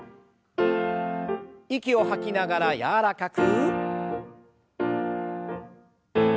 息を吐きながら柔らかく。